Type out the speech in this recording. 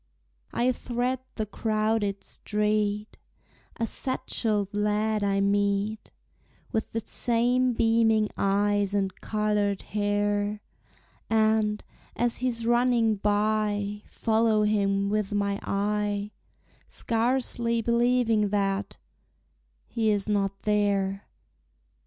I thread the crowded street; A satchelled lad I meet, With the same beaming eyes and colored hair; And, as he's running by, Follow him with my eye, Scarcely believing that he is not there!